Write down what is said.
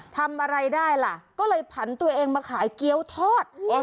ทำอะไรได้ล่ะก็เลยผันตัวเองมาขายเกี้ยวทอด